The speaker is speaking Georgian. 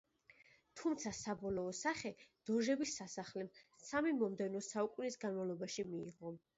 თუმცა საბოლოო სახე დოჟების სასახლემ სამი მომდევნო საუკუნის განმავლობაში მიიღო.